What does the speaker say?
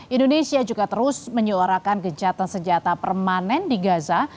indonesia juga terus menyuarakan gencatan senjata permanen di gaza